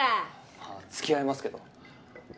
まあ付き合いますけど。